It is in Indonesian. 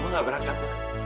mama gak berangkat